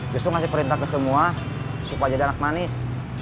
justru ngasih perintah ke semua supaya jadi anak manis